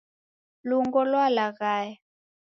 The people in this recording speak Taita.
Lungo lwalaghaya